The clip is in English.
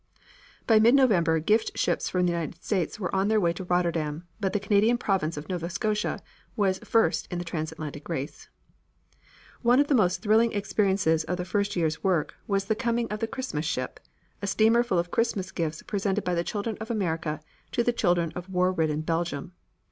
By mid November gift ships from the United States were on their way to Rotterdam, but the Canadian province of Nova Scotia was first in the transatlantic race. One of the most thrilling experiences of the first year's work was the coming of the Christmas ship, a steamer full of Christmas gifts presented by the children of America to the children of war ridden Belgium.